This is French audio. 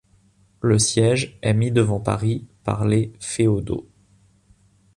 Le siège est mis devant Paris par les féodaux.